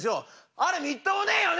あれみっともねえよね！